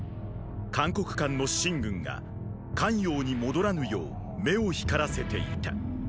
函谷関の秦軍が咸陽に戻らぬよう目を光らせていた。